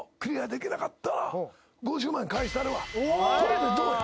これでどうや！